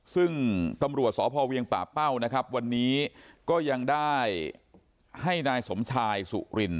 ซึ่งตำรวจสพเวียงป่าเป้านะครับวันนี้ก็ยังได้ให้นายสมชายสุริน